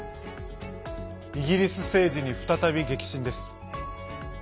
イギリス政治に再び激震です。